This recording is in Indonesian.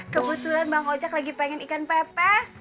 kebetulan bang ocak lagi pengen ikan pepes